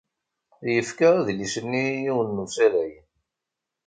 Yefka adlis-nni i yiwen n usalay.